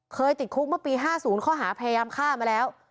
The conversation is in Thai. ติดคุกเมื่อปี๕๐ข้อหาพยายามฆ่ามาแล้ว